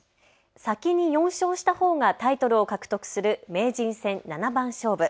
先に４勝したほうがタイトルを獲得する名人戦七番勝負。